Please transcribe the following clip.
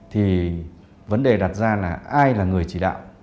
thì vấn đề đặt ra là ai là người chỉ đạo